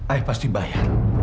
ayah pasti bayar